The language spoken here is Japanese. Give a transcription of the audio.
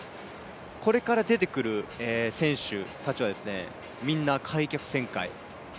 これから出てくる選手たちは、みんな開脚旋回。